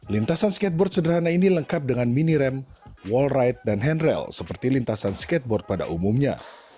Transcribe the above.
lintasan skateboard sederhana ini lengkap dengan mini rem wall ride dan handral seperti lintasan skateboard pada umumnya